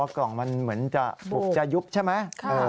บอกว่ากล่องมันเหมือนจะปุกจะยุบใช่มั้ย